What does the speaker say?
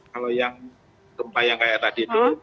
kalau yang gempa yang kayak tadi itu